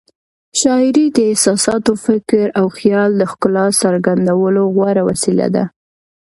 شاعري د احساساتو، فکر او خیال د ښکلا څرګندولو غوره وسیله ده.